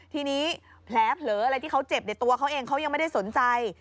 ทีนี้แผลเผลออะไรที่เขาเจ็บตัวเขาเองเขายังไม่ได้สนใจ